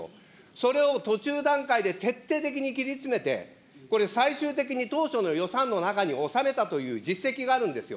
それを途中段階で徹底的に切り詰めて、これ、最終的に当初の予算の中に収めたという実績があるんですよ。